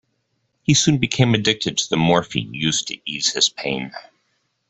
He soon became addicted to the morphine used to ease his pain.